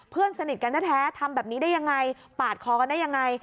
เพื่อนสนิทกันแท้ทำแบบนี้ได้ยังไงปาดคอกันได้ยังไง